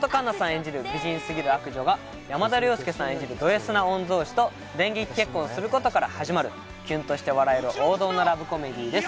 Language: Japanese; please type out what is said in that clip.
演じる美人すぎる悪女が山田涼介さん演じるドＳな御曹子と電撃結婚することから始まるキュンとして笑える王道のラブコメディーです